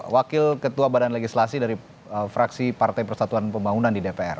wakil ketua badan legislasi dari fraksi partai persatuan pembangunan di dpr